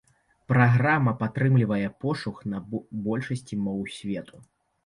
Праграма падтрымлівае пошук на большасці моў свету.